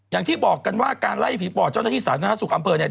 อย่างที่บอกกันว่าการไล่ผีปอบเจ้าหน้าที่สาธารณสุขอำเภอเนี่ย